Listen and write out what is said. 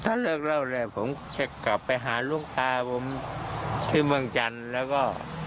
ถ้าเลิกเล่าเนี่ยผมจะกลับไปหาลูกตาผมที่เมืองจันทร์แล้วก็